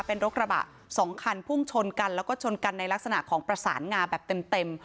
เป็นรถกระบะสองคันพุ่งชนกันแล้วก็ชนกันในลักษณะของประสานงาแบบเต็ม